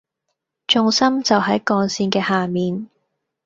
重心就喺鋼線嘅下面